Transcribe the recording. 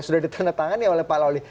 sudah ditandatangani oleh pak loli